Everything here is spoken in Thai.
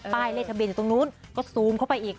เลขทะเบียนอยู่ตรงนู้นก็ซูมเข้าไปอีก